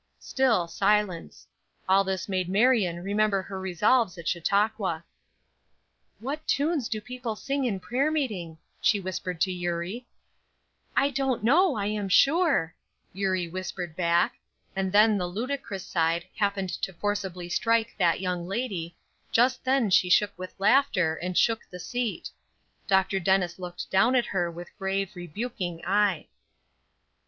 Still silence. All this made Marion remember her resolves at Chautauqua. "What tunes do people sing in prayer meeting?" she whispered to Eurie. "I don't know, I am sure," Eurie whispered back. And then the ludicrous side happened to forcibly strike that young lady, just then she shook with laughter and shook the seat. Dr. Dennis looked down at her with grave, rebuking eye.